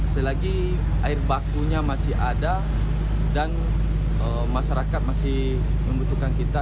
selagi air bakunya masih ada dan masyarakat masih membutuhkan kita